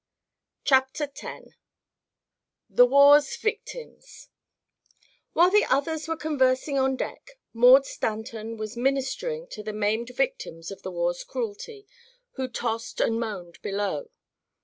CHAPTER X THE WAR'S VICTIMS While the others were conversing on deck Maud Stanton was ministering to the maimed victims of the war's cruelty, who tossed and moaned below.